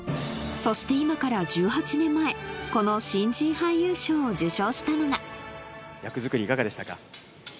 そして今から１８年前この新人俳優賞を受賞したのが役作りいかがでしたか？